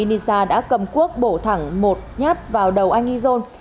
inisa đã cầm cuốc bổ thẳng một nhát vào đầu anh izon